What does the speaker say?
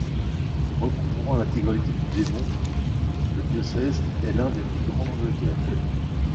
Recouvrant l'intégralité du Devon, le diocèse est l'un des plus grands d'Angleterre.